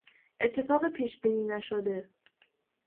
اتفاق پیش بینی نشده